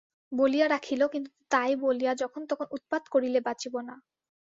বলিয়া রাখিল, কিন্তু তাই বলিয়া যখন-তখন উৎপাত করিলে বাঁচিব না।